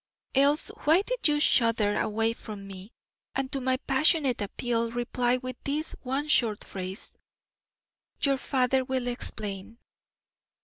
Else why did you shudder away from me, and to my passionate appeal reply with this one short phrase: "Your father will explain"?